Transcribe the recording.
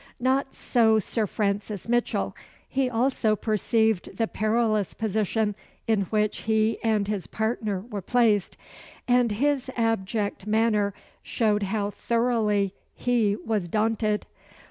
Not so Sir Francis Mitchell. He also perceived the perilous position in which he and his partner were placed, and his abject manner showed how thoroughly he was daunted.